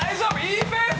いいペース。